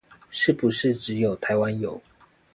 是不是只有台灣有